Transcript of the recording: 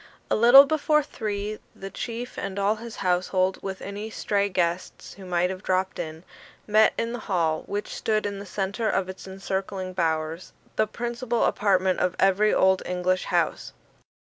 A little before three, the chief and all his household, with any stray guests who might have dropped in, met in the hall, which stood in the centre of its encircling bowers the principal apartment of every Old English house.